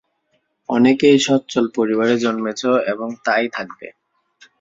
অনেকেই স্বচ্ছল পরিবারে জন্মেছো এবং তাই থাকবে।